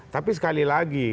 tapi sekali lagi